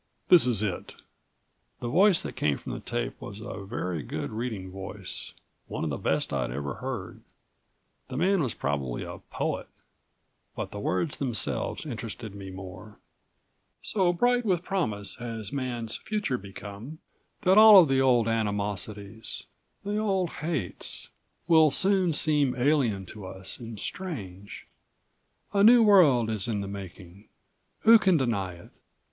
This is it " The voice that came from the tape was a very good reading voice, one of the best I'd ever heard. The man was probably a poet. But the words themselves interested me more. "... so bright with promise has Man's future become that all of the old animosities, the old hates, will soon seem alien to us and strange. A new world is in the making. Who can deny it?